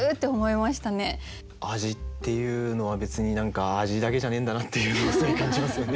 味っていうのは別に何か味だけじゃねえんだなっていうのをすごい感じますよね。